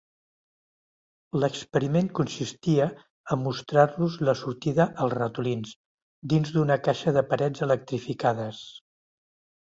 L'experiment consistia a mostrar-los la sortida als ratolins, dins d'una caixa de parets electrificades.